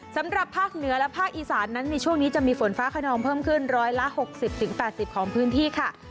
สำหรับภาคเหนือและภาคอีสานนั้นในช่วงนี้จะมีฝนฟ้าขนองเพิ่มขึ้นร้อยละหกสิบถึงแปดสิบของพื้นที่ค่ะ